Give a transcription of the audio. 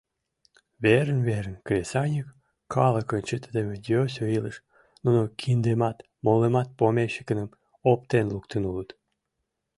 Верын-верын кресаньык калыкын чытыдыме йӧсӧ илыш, нуно киндымат, молымат помещикыным оптен луктын улыт.